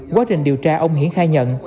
quá trình điều tra ông hiển khai nhận